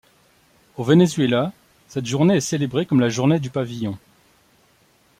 Au Venezuela, cette journée est célébrée comme la journée du pavillon.